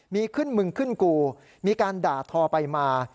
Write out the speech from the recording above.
มีขึ้นมึงขึ้นกูมีการด่าทอไปมา